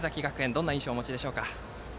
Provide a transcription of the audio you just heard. どんな印象をお持ちですか。